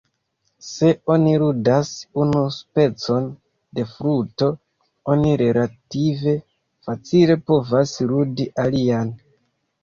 Se oni ludas unu specon de fluto, oni relative facile povas ludi alian.